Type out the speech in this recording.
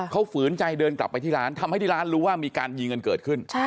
เขาฝืนใจเดินกลับไปที่ร้านทำให้ที่ร้านรู้ว่ามีการยิงกันเกิดขึ้น